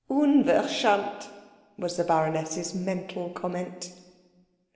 "Unverschämt," was the baroness's mental comment.